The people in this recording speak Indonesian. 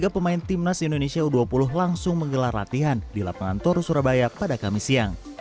tiga pemain timnas indonesia u dua puluh langsung menggelar latihan di lapangan toro surabaya pada kamis siang